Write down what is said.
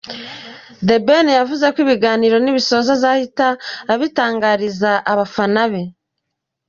The Ben yavuze ko ibiganiro n’ibisoza azahita abitangariza abafana be.